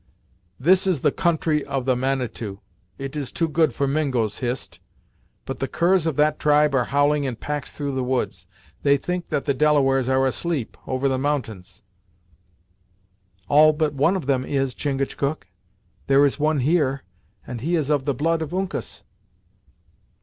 "This is the country of the Manitou! It is too good for Mingos, Hist; but the curs of that tribe are howling in packs through the woods. They think that the Delawares are asleep, over the mountains." "All but one of them is, Chingachgook. There is one here; and he is of the blood of Uncas!"